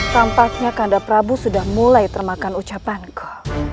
tampaknya kandaprabu sudah mulai termakan ucapanku